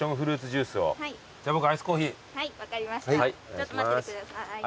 ちょっと待っててください。